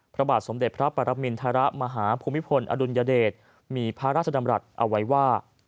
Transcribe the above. พระบาทสมเด็จพระปรมินทรมาหาภูมิพลอดุลยเดชมีพระราชดำรัฐเอาไว้ว่า